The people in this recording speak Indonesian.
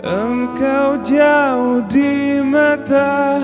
engkau jauh di mata